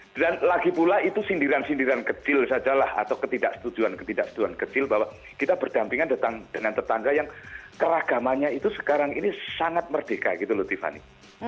dan lagi pula itu sindiran sindiran kecil sajalah atau ketidaksetujuan ketidaksetujuan kecil bahwa kita berdampingan dengan tetangga yang keragamannya itu sekarang ini sangat merdeka gitu loh tiffany